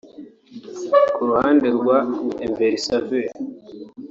Ku ruhande rwa ‘Enviroserve’